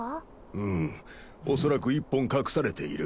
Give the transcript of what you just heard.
うん恐らく１本隠されている。